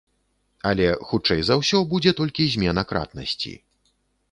Але, хутчэй за ўсё, будзе толькі змена кратнасці.